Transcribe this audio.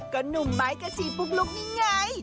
ก็หนุ่มไม้กระชีปุ๊กลุ๊กนี่ไง